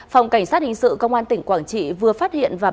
phòng cảnh sát hình sự công an tỉnh quảng trị vừa phát hiện và bắt